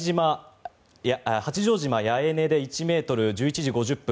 八丈島・八重根で１ｍ１１時５０分。